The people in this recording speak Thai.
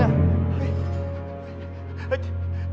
เฮ้ย